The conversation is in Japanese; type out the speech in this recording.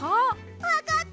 わかった！